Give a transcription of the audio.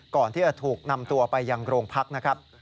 ก่อนที่จะถูกนำตัวไปยังโรงพักนะครับ